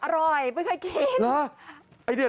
อร่อยไม่ค่อยกิน